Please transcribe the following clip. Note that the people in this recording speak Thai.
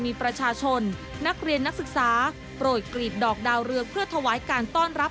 มีประชาชนนักเรียนนักศึกษาโปรดกรีบดอกดาวเรืองเพื่อถวายการต้อนรับ